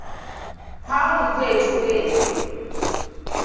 How you dey today?